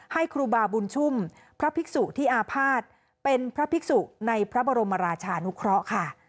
ให้ครูบาบุญชุ่มพระภิกษุที่อาภาษณ์เป็นพระภิกษุในพระบรมราชานุเคราะห์ค่ะ